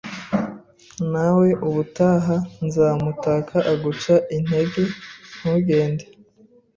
Nawe ubutaha nzamutaka Aguca intege ntugende